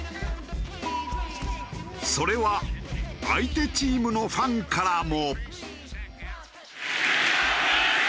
それは相手チームのファンからも。